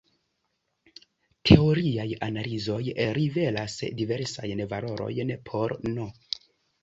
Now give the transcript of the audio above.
Teoriaj analizoj liveras diversajn valorojn por "n".